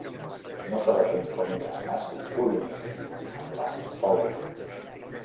No s'ha de confondre àcid folínic amb l'àcid fòlic.